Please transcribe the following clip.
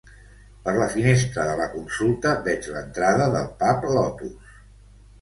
Per la finestra de la consulta veig l'entrada del pub Lotus.